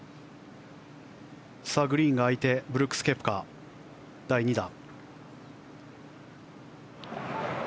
グリーンが空いてブルックス・ケプカ、第２打。